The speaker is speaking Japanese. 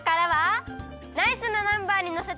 ナイスなナンバーにのせて。